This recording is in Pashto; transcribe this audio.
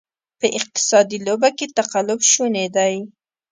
په اقتصادي لوبه کې تقلب شونې دی.